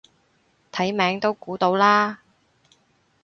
睇名都估到啦